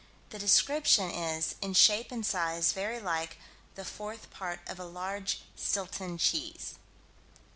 The description is "in shape and size very like the fourth part of a large Stilton cheese."